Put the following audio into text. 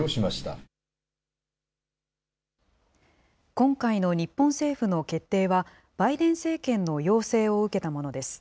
今回の日本政府の決定は、バイデン政権の要請を受けたものです。